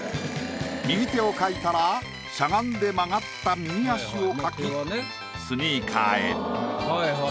右手を描いたらしゃがんで曲がった右足を描きスニーカーへ。